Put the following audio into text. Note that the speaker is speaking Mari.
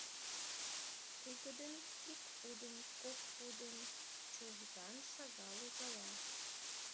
Тыгыдын, ик пудын, кок пудын, Чужган шагал ужала.